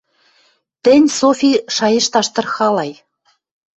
«Тӹнь, Софи, шайышташ тырхалай.